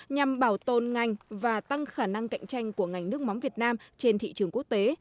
nhằm bảo tồn ngành và tăng khả năng cạnh tranh của ngành nước mắm việt nam trên thị trường quốc tế